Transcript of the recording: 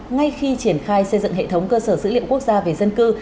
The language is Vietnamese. ngay khi triển khai xây dựng hệ thống cơ sở dữ liệu quốc gia về dân cư